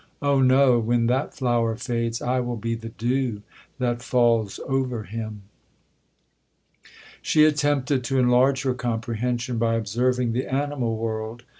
Oh no! when that flower fades, I will be the dew that falls over him!' 'She attempted to enlarge her comprehension, by observing the animal world.